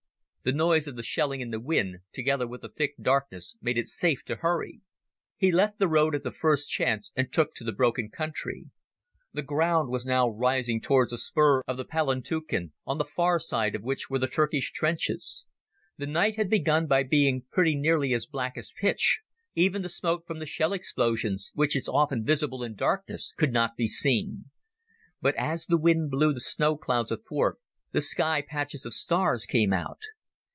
The noise of the shelling and the wind, together with the thick darkness, made it safe to hurry. He left the road at the first chance and took to the broken country. The ground was now rising towards a spur of the Palantuken, on the far slope of which were the Turkish trenches. The night had begun by being pretty nearly as black as pitch; even the smoke from the shell explosions, which is often visible in darkness, could not be seen. But as the wind blew the snow clouds athwart the sky patches of stars came out.